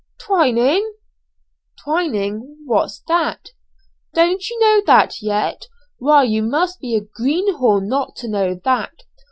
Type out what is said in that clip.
Man. "Twineing." "Twineing! What's that?" "Don't you know that yet? why you must be a greenhorn not to know that.